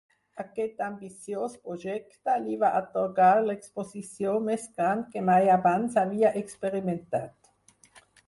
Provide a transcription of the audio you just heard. Aquest ambiciós projecte li va atorgar l'exposició més gran que mai abans havia experimentat.